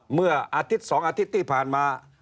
เมื่ออาทิตย์๒อาทิตย์ที่ผ่านมา